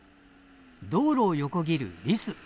道路を横切るリス。